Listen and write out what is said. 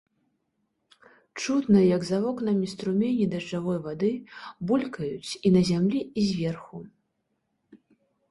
Чутна, як за вокнамі струмені дажджавой вады булькаюць і на зямлі і зверху.